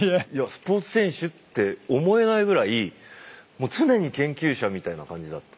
スポーツ選手って思えないぐらいもう常に研究者みたいな感じだった。